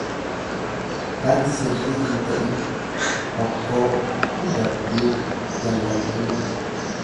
tan sirrii hin ta'in, hokkoo, dabduu, jallattuu.